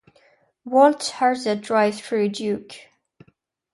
Walt Hazzard Drives Through Duke.